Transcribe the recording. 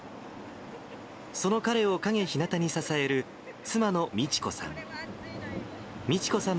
その彼を陰ひなたに支える妻の倫子さん。